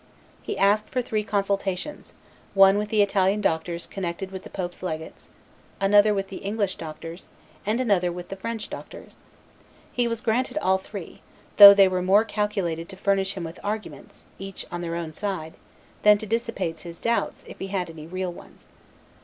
He asked for three consultations, one with the Italian doctors connected with the pope's legates, another with English doctors, and another with French doctors. He was granted all three, though they were more calculated to furnish him with arguments, each on their own side, than to dissipate his doubts, if he had any real ones.